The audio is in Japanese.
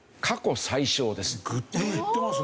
グッと減ってますね。